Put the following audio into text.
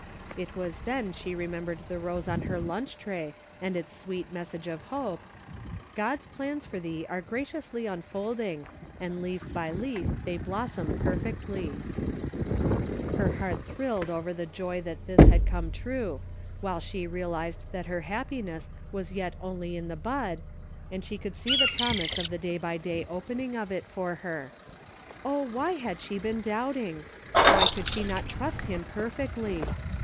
It was then she remembered the rose on her lunch tray and its sweet message of hope "God's plans for thee are graciously unfolding, And leaf by leaf they blossom perfectly." 334 'M DAILY RATEA^ Her heart thrilled over the joy that this had come true, while she realized that her happi ness was yet only in the bud, and she could see the promise of the day by day opening of it for her. Oh, why had she been doubting ? Why could she not trust him perfectly